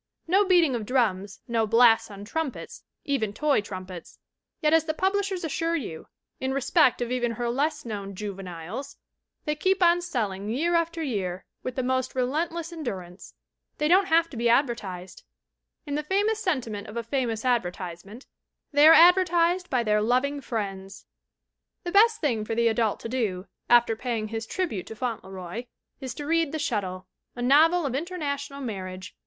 No beating of drums, no blasts on trumpets, even toy trumpets : yet as the pub lishers assure you, in respect of even her less known "juveniles," they keep on selling, year after year, with the most relentless endurance. They don't have to be advertised. In the famous sentiment of a famous advertisement, they are advertised by their loving friends. The best thing for the adult to do, after paying his tribute to Fauntleroy, is to read The Shuttle, "a novel of international marriage."